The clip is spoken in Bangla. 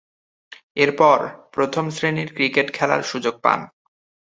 এরপর, প্রথম-শ্রেণীর ক্রিকেট খেলার সুযোগ পান।